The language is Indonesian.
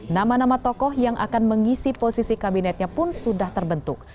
nama nama tokoh yang akan mengisi posisi kabinetnya pun sudah terbentuk